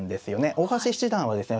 大橋七段はですね